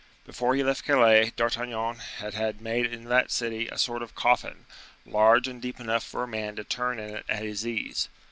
Before he left Calais, D'Artagnan had had made in that city a sort of coffin, large and deep enough for a man to turn in it at his ease.